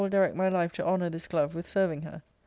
169 that I win direct my life to honour this glove with serving her."